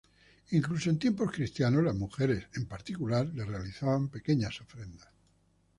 Incluso en tiempos cristianos, las mujeres, en particular, les realizaban pequeñas ofrendas.